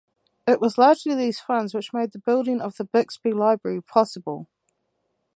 It was largely these funds which made the building of the Bixby Library possible.